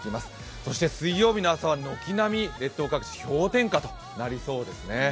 そして水曜日の朝は軒並み列島各地氷点下となりそうですね。